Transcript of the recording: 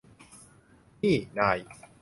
นี่นาย